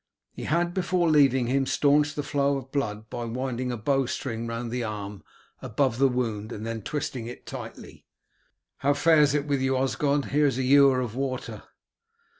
He had before leaving him staunched the flow of blood by winding a bow string round the arm above the wound and then twisting it tightly. "How fares it with you, Osgod? Here is a ewer of water."